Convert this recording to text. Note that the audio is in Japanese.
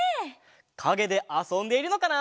かげであそんでいるのかな？